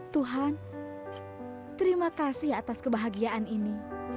tuhan terima kasih atas kebahagiaan ini